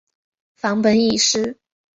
梵本已失。